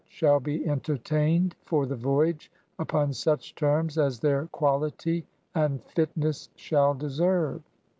• shall be entertained for the Voyage upon such termes as their qualitietuid fitnesse shall deserve."